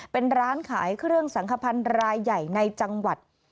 เป็นร้านขายเครื่องสังขพันธ์รายใหญ่ในจังหวัด